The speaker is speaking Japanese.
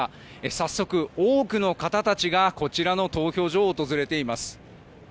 早速、多くの方たちがこちらの投票所を訪れています。